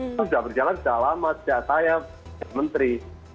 itu sudah berjalan selama saya menteri